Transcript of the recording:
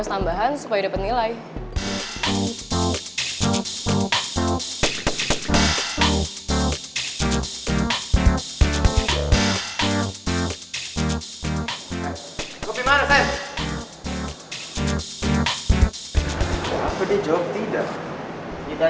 jadi gue ikutan juga